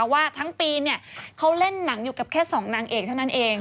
ว่าทั้งปีเขาเล่นหนังอยู่กับแค่๒นางเอกเท่านั้นเอง